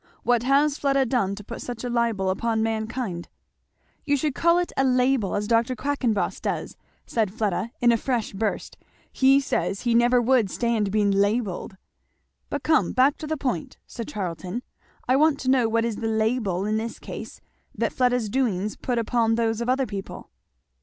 "What has Fleda done to put such a libel upon mankind?" "You should call it a label, as Dr. Quackenboss does," said Fleda in a fresh burst, "he says he never would stand being labelled!" "But come back to the point," said Charlton, "I want to know what is the label in this case, that Fleda's doings put upon those of other people?"